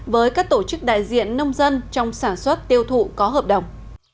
với các tổ chức đại diện nông dân trong sản xuất tiêu thụ có hợp đồng